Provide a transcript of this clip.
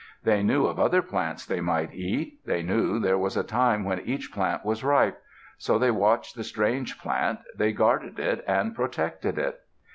They knew of other plants they might eat. They knew there was a time when each plant was ripe. So they watched the strange plant; they guarded it and protected it.